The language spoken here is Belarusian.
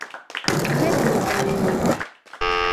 Гэта не пра мяне.